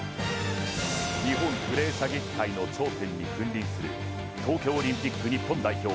日本クレー射撃界の頂点に君臨する東京オリンピック代表